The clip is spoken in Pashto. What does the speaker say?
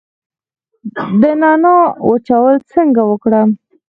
د نعناع وچول څنګه وکړم؟